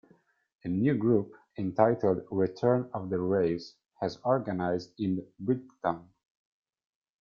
A new group, entitled Return of the Rails, has organized in Bridgton.